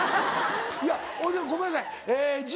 いやほいでごめんなさい。